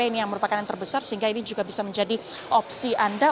ini yang merupakan yang terbesar sehingga ini juga bisa menjadi opsi anda